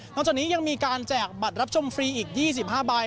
จากนี้ยังมีการแจกบัตรรับชมฟรีอีก๒๕ใบ